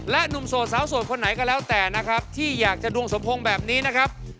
เราสามารถปรับจูนกันได้อยู่